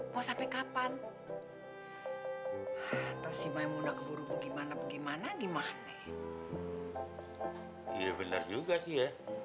mau sampai kapan hai tersimai munda keburu gimana gimana gimana iya bener juga sih ya